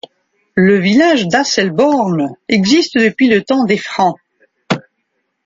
Le village d'Asselborn existe depuis le temps des Francs.